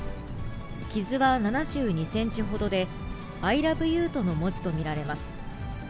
傷は７２センチほどで、ＩＬｏｖｅＹｏｕとの文字と見られます。